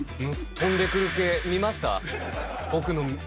飛んでくる系見ました？